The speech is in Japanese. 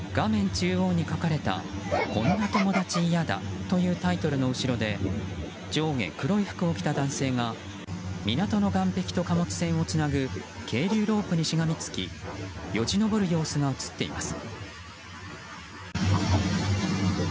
中央に書かれた「こんな友達嫌だ」というタイトルの後ろで上下黒い服を着た男性が港の岸壁と貨物船をつなぐ係留ロープにしがみつきよじ登る様子が映っています。